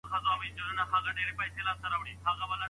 د پوهي کچه د تجربو له لاري لوړیږي.